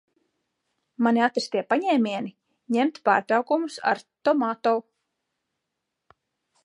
Mani atrastie paņēmieni - ņemt pārtraukumus ar Tomato.